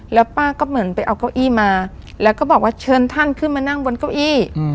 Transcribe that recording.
แล้วป้าก็เหมือนไปเอาเก้าอี้มาแล้วก็บอกว่าเชิญท่านขึ้นมานั่งบนเก้าอี้